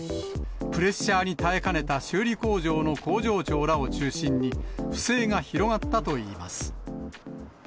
プレッシャーに耐えかねた修理工場の工場長らを中心に、不正が広がったといいます。